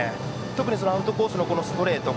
特にアウトコースのストレート。